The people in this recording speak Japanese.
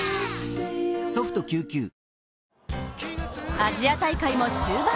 アジア大会も終盤。